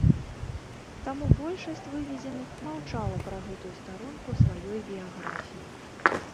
Таму большасць вывезеных маўчала пра гэтую старонку сваёй біяграфіі.